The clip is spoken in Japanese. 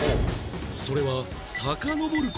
それはさかのぼる事